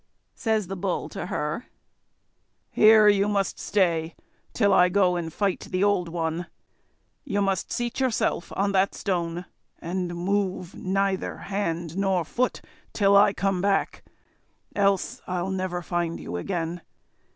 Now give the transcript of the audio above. Says the Bull to her: "Here you must stay till I go and fight the Old One. You must seat yourself on that stone, and move neither hand nor foot till I come back, else I'll never find you again.